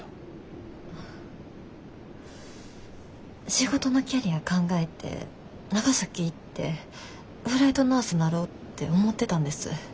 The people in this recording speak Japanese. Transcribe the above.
仕事のキャリア考えて長崎行ってフライトナースなろうって思ってたんです。